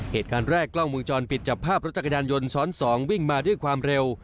เหตุการณ์แรกกล้องมือจรปิดจับภาพรถจักรยานยนต์ซ้อน๒วิ่งมาด้วยความเร็ว